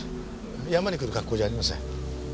山に来る格好じゃありません。